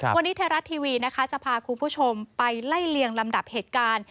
วันนี้ไทยรัฐทีวีนะคะจะพาคุณผู้ชมไปไล่เลียงลำดับเหตุการณ์